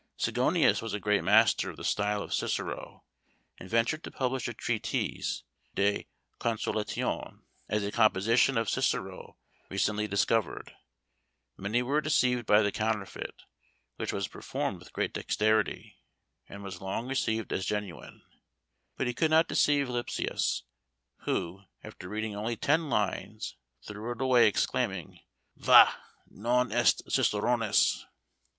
Sigonius was a great master of the style of Cicero, and ventured to publish a treatise De Consolatione, as a composition of Cicero recently discovered; many were deceived by the counterfeit, which was performed with great dexterity, and was long received as genuine; but he could not deceive Lipsius, who, after reading only ten lines, threw it away, exclaiming, "Vah! non est Ciceronis."